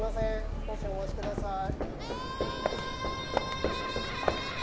少しお待ちください